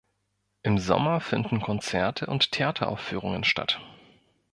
Im Sommer finden Konzerte und Theateraufführungen statt.